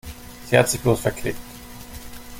Sie hat sich bloß verklickt.